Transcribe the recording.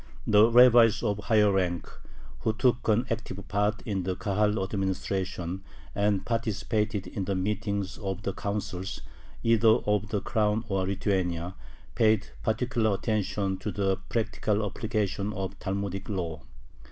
The rabbis of higher rank, who took an active part in the Kahal administration, and participated in the meetings of the Councils, either of the Crown or of Lithuania, paid particular attention to the practical application of Talmudic law.